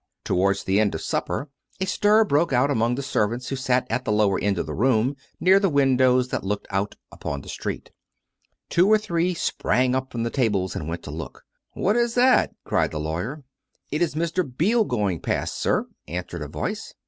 Towards the end of supper a stir broke out among the servants who sat at the lower end of the room near the windows that looked out upon the streets. Two or three sprung up from the tables and went to look out. " What is that? " cried the lawyer. " It is Mr. Beale going past, sir," answered a voice.